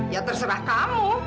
ya terserah kamu